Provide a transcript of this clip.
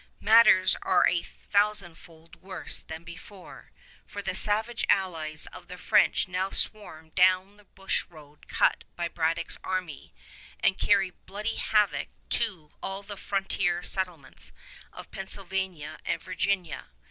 Matters are a thousandfold worse than before, for the savage allies of the French now swarm down the bush road cut by Braddock's army and carry bloody havoc to all the frontier settlements of Pennsylvania and Virginia.